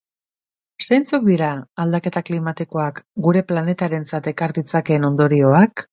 Zeintzuk dira aldaketa klimatikoak gure planetarentzat ekar ditzakeen ondorioak?